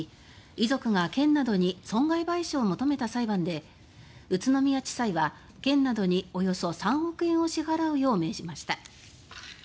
遺族が県などに損害賠償を求めた裁判で宇都宮地裁は、県などにおよそ３億円を支払うよう命じました。